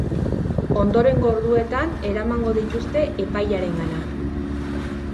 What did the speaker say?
Ondorengo orduotan eramango dituzte epailearengana.